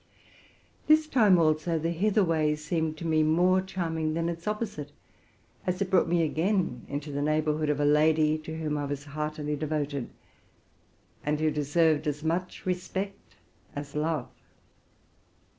This time, also, the way thither seemed to me more charming than its opposite, as it brought me again into the neighborhood of a lady to whom I was heartily devoted, and who deserved as much respect as love.